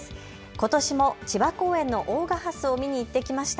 ことしも千葉公園の大賀ハスを見に行ってきました。